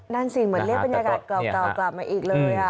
นั่นสิเหมือนเรียกบรรยากาศเก่ากลับมาอีกเลย